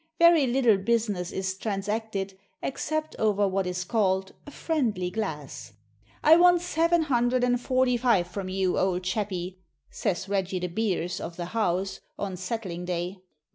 Very little business is transacted except over what is called "a friendly glass." "I want seven hundred an' forty five from you, old chappie," says Reggie de Beers of the "House," on settling day.